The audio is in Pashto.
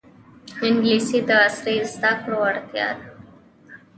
انګلیسي د عصري زده کړو اړتیا ده